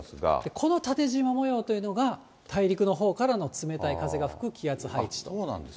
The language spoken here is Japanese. この縦じま模様というのが、大陸のほうからの冷たい風が吹く気圧配置と。